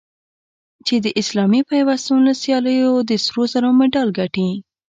چې د اسلامي پیوستون له سیالیو د سرو زرو مډال ګټي